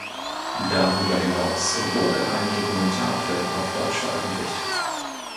Darüber hinaus wurde ein Dokumentarfilm auf Deutsch veröffentlicht.